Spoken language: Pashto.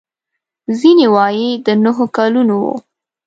ځینې وايي د نهو کلونو و.